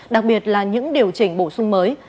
đặc biệt là những điều chỉnh bổ sung mới